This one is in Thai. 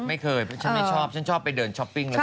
ไม่เคยฉันไม่ชอบฉันชอบไปเดินช้อปปิ้งแล้วซื้อ